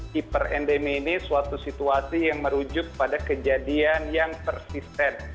hiperendemi ini suatu situasi yang merujuk pada kejadian yang persisten